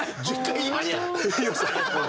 言いました。